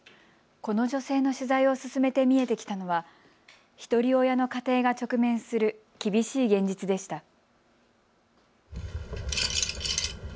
この女性の取材を進めて見えてきたのはひとり親の家庭が直面する厳しい現実でした。